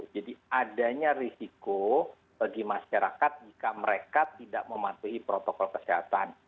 jadi adanya risiko bagi masyarakat jika mereka tidak mematuhi protokol kesehatan